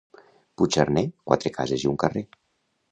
Puig-arner, quatre cases i un carrer.